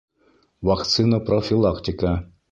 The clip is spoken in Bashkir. Вакцинопрофилактика